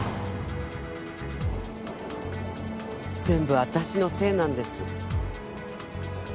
全部私のせいなんです。